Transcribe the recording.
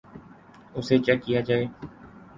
اسے چیک کیا جائے